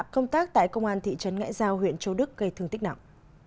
công tác tại công an thị trấn ngãi giao huyện châu đức gây thương tích nặng